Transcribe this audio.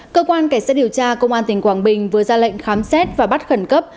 cơ quan cảnh sát điều tra công an tỉnh quảng bình vừa ra lệnh khám xét và bắt khẩn cấp